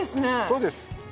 そうです。